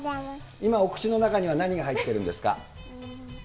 今、お口の中には何が入ってるんですか？